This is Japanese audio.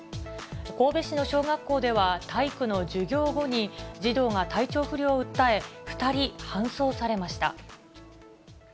神戸市の小学校では、体育の授業後に、児童が体調不良を訴え、２人搬送されました。